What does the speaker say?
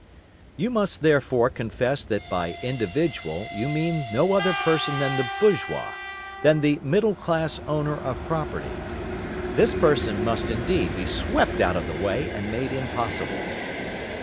You must, therefore, confess that by "individual" you mean no other person than the bourgeois, than the middle class owner of property. This person must, indeed, be swept out of the way, and made impossible.